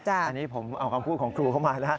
อันนี้ผมเอากลางคู่ของครูเข้ามานะฮะ